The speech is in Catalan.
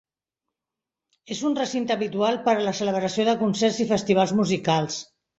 És un recinte habitual per a la celebració de concerts i festivals musicals.